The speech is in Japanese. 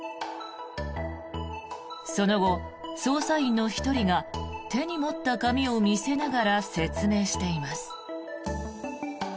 その後、捜査員の１人が手に持った紙を見せながら説明しています。